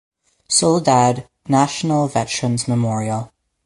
Soledad National Veterans Memorial.